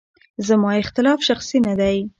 زما اختلاف شخصي نه دی.